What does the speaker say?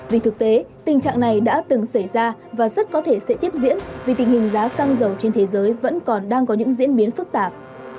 vì thực tế tình trạng này đã từng xảy ra và rất có thể sẽ tiếp diễn vì tình hình giá xăng dầu trên thế giới vẫn còn đang có những diễn biến phức tạp